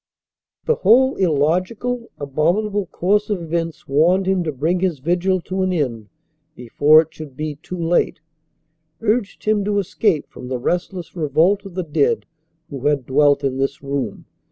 The whole illogical, abominable course of events warned him to bring his vigil to an end before it should be too late; urged him to escape from the restless revolt of the dead who had dwelt in this room.